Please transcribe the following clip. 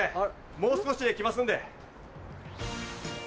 もう少しで来ますんで。